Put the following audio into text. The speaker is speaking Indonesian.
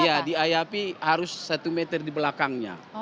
iya diayapi harus satu meter di belakangnya